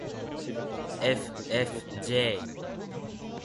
ｆｆｊ